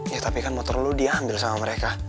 ya tapi kan motor lo diambil sama mereka